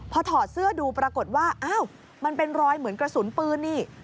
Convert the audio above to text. พอถอดเสื้อดูปรากฏว่าอ้าวมันเป็นรอยเหมือนกระสุนปืนนี่